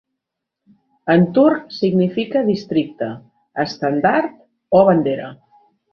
En turc, significa 'districte', 'estendard' o 'bandera'.